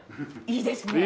いいですね！